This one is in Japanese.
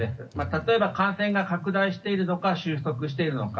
例えば感染が拡大しているのか収束しているのか。